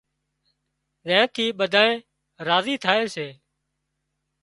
زين ٿي ٻڌانئين راضي سي